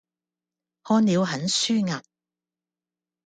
看了很舒壓